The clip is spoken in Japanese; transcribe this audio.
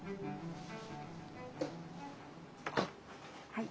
はい。